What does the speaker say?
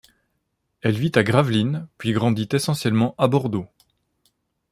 Elle vit à Gravelines, puis grandit essentiellement à Bordeaux.